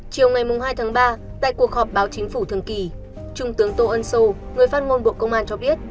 chiều ngày hai tháng ba tại cuộc họp báo chính phủ thường kỳ trung tướng tô ân sô người phát ngôn bộ công an cho biết